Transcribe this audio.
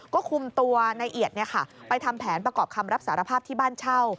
ก็คุมตัวนายเอียดไปทำแผนประกอบคำรับสารภาพที่บ้านเช่า